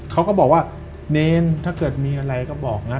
เขาก็บอกว่าเนรถ้าเกิดมีอะไรก็บอกนะ